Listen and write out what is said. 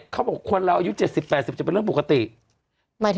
เขาบอกคนเราอายุ๗๐๘๐จะเป็นเรื่องปกติ